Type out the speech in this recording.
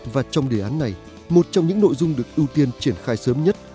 và trong đề án này một trong những nội dung được ưu tiên triển khai sớm nhất